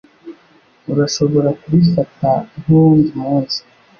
Urashobora kubifata nkuwundi munsi